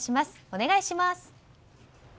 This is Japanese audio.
お願いします。